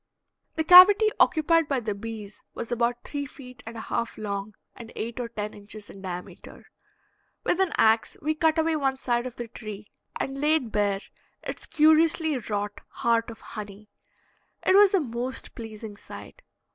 The cavity occupied by the bees was about three feet and a half long and eight or ten inches in diameter. With an ax we cut away one side of the tree and laid bare its curiously wrought heart of honey. It was a most pleasing sight.